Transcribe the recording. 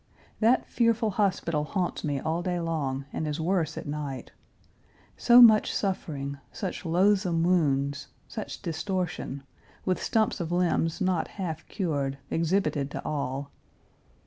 That fearful hospital haunts me all day long, and is worse at night. So much suffering, such loathsome wounds, such distortion, with stumps of limbs not half cured, exhibited to all.